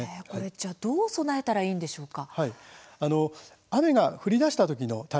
どう備えたらいいんでしょうか。